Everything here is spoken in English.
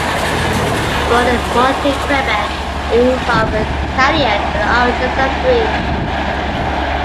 Born in Montreal, Quebec, he is of Italian and Irish ancestry.